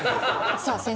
さあ先生